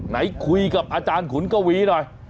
ไหนคุยกับอาจารย์ขุนกวีหน่อย